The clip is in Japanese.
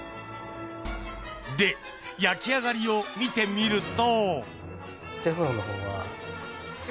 で、焼き上がりを見てみると。